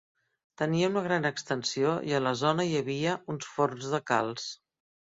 Tenia una gran extensió i en la zona hi havia uns forns de calç.